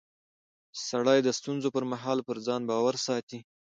سړی د ستونزو پر مهال پر ځان باور ساتي